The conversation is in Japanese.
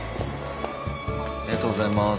ありがとうございます。